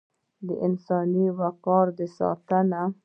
د انساني وقار د ساتنې